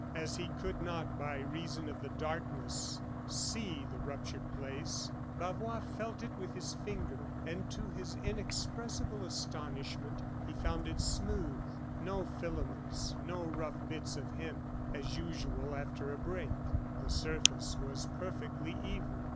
As he could not, by reason of the darkness, see the ruptured place, Bavois felt it with his finger; and, to his inexpressible astonishment, he found it smooth. No filaments, no rough bits of hemp, as usual after a break; the surface was perfectly even.